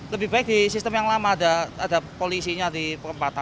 lebih baik di sistem yang lama ada polisinya di perempatan